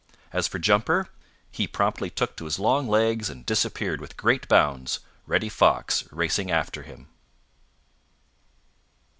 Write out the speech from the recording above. As for Jumper, he promptly took to his long legs and disappeared with great bounds, Reddy Fox racing after him.